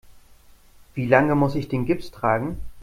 Wie lange muss ich den Gips tragen?